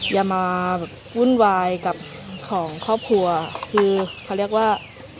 อย่ามาวุ่นวายกับของครอบครัวคือเขาเรียกว่า